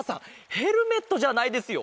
ヘルメットじゃないですよ。